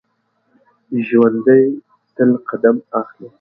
ژوندي تل قدم اخلي